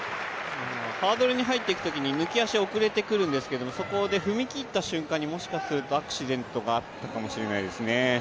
ハードルに入っていくときに抜き足が遅れてくるんですけども、そこで踏み切った瞬間に、もしかしたらアクシデントがあったかもしれないですね。